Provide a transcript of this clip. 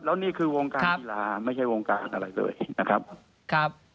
แล้วนี่คือวงการกีฬาไม่ใช่วงการอะไรเลยนะครับครับ